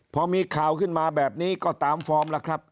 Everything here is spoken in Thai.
พอมีข่าวขึ้นมาแบบนี้ก็ตามฟอร์มแล้วครับ